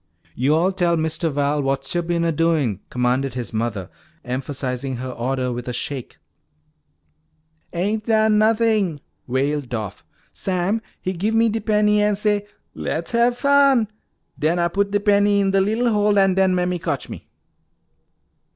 "Yo'all tell Mistuh Val whats yo' bin a doin'!" commanded his mother, emphasizing her order with a shake. "Ain't done nothin'," wailed Doff. "Sam, he give me de penny an' say, 'Le's hab fun.' Den Ah puts de penny in de lil' hole an' den Mammy cotch me."